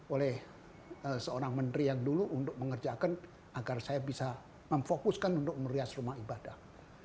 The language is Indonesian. oleh seorang menteri yang dulu untuk mengerjakan agar saya bisa memfokuskan untuk merias rumah ibadah